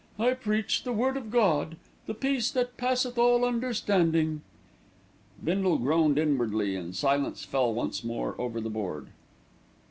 "I preach the word of God, the peace that passeth all understanding." Bindle groaned inwardly, and silence fell once more over the board.